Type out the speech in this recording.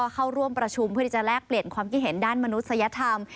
เข้าร่วมประชุมเพื่อที่จะแลกเปลี่ยนความคิดเห็นด้านมนุษยธรรม